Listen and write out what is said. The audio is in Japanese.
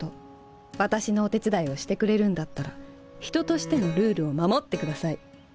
私のお手伝いをしてくれるんだったら人としてのルールを守って下さい。